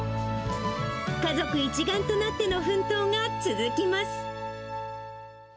家族一丸となっての奮闘が続きます。